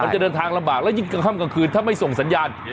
จะเดินทางลำบากแล้วยิ่งกลางค่ำกลางคืนถ้าไม่ส่งสัญญาณ